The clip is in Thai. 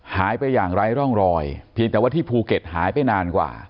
หายไปอย่างไร้ร่องรอยเพียงแต่ว่าที่ภูเก็ตหายไปนานกว่า